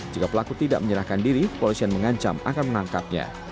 jika pelaku tidak menyerahkan diri kepolisian mengancam akan menangkapnya